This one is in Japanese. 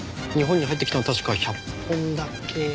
日本に入ってきたの確か１００本だけ。